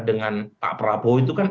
dengan pak prabowo itu kan